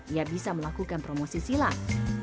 ia bisa melakukan promosi silang